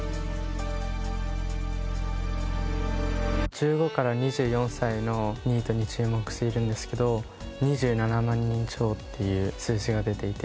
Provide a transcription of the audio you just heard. １５から２４歳のニートに注目しているんですけど２７万人超っていう数字が出ていて。